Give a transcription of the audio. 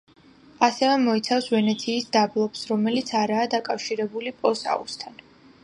ასევე მოიცავს ვენეციის დაბლობს, რომელიც არაა დაკავშირებული პოს აუზთან.